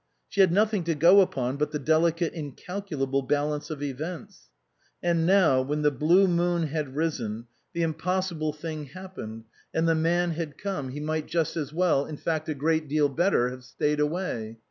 She had nothing to go upon but the delicate incalculable balance of events. And now, when the blue moon had risen, the impossible thing 264 SPRING FASHIONS happened, and the man had come, he might just as well, in fact a great deal better, have stayed away.